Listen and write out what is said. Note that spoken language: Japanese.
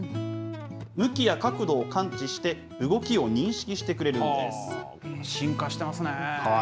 向きや角度を感知して、動きを認識してくれるんです。